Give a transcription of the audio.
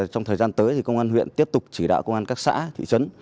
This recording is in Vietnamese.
trong thời gian tới thì công an huyện tiếp tục chỉ đạo công an các xã thị trấn